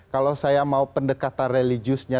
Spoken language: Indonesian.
kalau saya mau pendekatan religiusnya